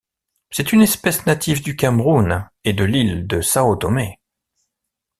C’est une espèce native du Cameroun et de l'île de São Tomé.